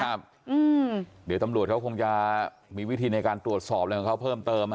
เดี๋ยวตำรวจเขาคงจะมีวิธีในการตรวจสอบอะไรของเขาเพิ่มเติม